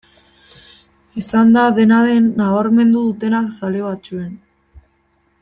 Izan da, dena den, nabarmendu dutenak zale batzuen.